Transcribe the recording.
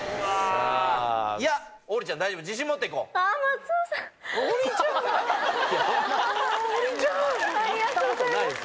ありがとうございます。